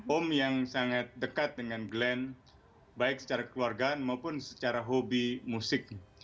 om yang sangat dekat dengan glenn baik secara kekeluargaan maupun secara hobi musik